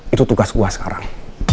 itu tugas gue sekarang